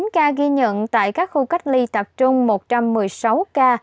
sáu mươi chín ca ghi nhận tại các khu cách ly tập trung một trăm một mươi sáu ca